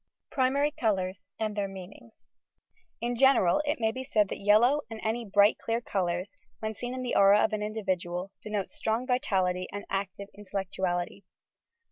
THE PRIMART COLOURS AND THEIR HEANINQS In general it may be said that yellow and any bright clear colours, when seen in the aura of an individual, denote strong vitality and active intellectuality.